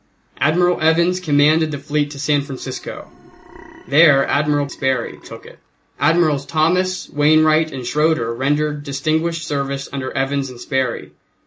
Admiral Evans commanded the fleet to San Francisco; there Admiral Sperry took it; Admirals Thomas, Wainwright and Schroeder rendered distinguished service under Evans and Sperry.